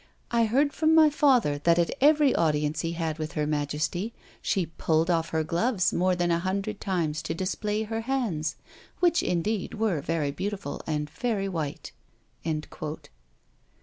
I heard from my father, that at every audience he had with her majesty, she pulled off her gloves more than a hundred times to display her hands, which indeed were very beautiful and very white."